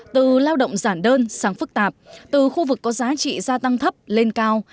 từ lao động giản đơn sang phức tạp từ khu vực có giá trị gia tăng thấp lên cao